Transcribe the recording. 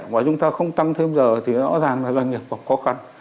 mà chúng ta không tăng thêm giờ thì rõ ràng là doanh nghiệp có khó khăn